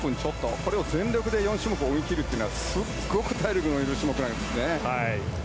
これを全力で４種目泳ぎ切るのはすごく体力のいる種目なんですね。